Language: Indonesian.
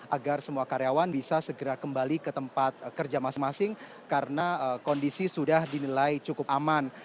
agar semua karyawan bisa segera kembali ke tempat kerja masing masing karena kondisi sudah dinilai cukup aman